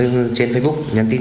nên đã đồng ý đi